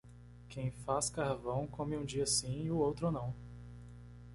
Quem faz carvão come um dia sim e o outro não.